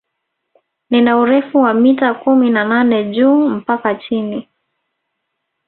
Lina urefu wa mita kumi na nane juu mpaka chini